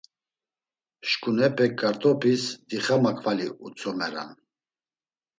Şǩunepek 'ǩart̆opis' dixamakvali utzomeran.